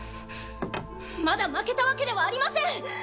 まだ負けたわけではありません！